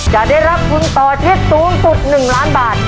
จะได้รับทุนต่อชีวิตสูงสุด๑ล้านบาท